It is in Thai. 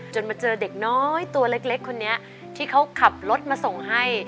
มาเจอเด็กน้อยตัวเล็กคนนี้ที่เขาขับรถมาส่งให้